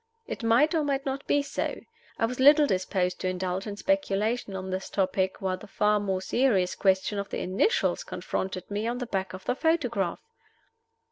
It might or might not be so. I was little disposed to indulge in speculation on this topic while the far more serious question of the initials confronted me on the back of the photograph.